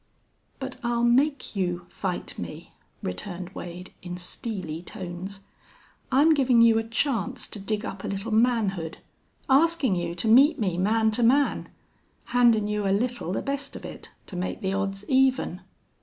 "But I'll make you fight me," returned Wade, in steely tones. "I'm givin' you a chance to dig up a little manhood. Askin' you to meet me man to man! Handin' you a little the best of it to make the odds even!...